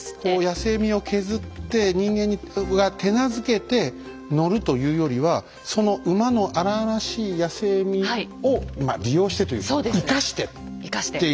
野性味を削って人間が手なずけて乗るというよりはその馬の荒々しい野性味を利用してというか生かしてる。